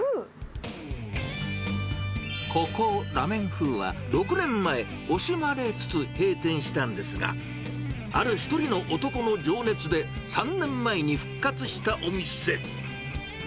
ここ、ら・めん風は、６年前、惜しまれつつ閉店したんですが、ある一人の男の情熱で３年前に復活したお店。